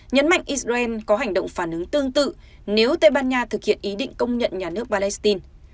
nhấn mạnh israel có hành động phản ứng tương tự nếu tây ban nha thực hiện ý định công nhận nhà nước palestine